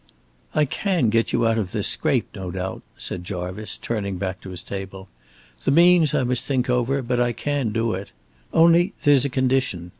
"I can get you out of this scrape, no doubt," said Jarvice, turning back to his table. "The means I must think over, but I can do it. Only there's a condition.